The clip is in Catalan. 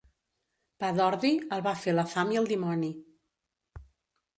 Pa d'ordi, el va fer la fam i el dimoni.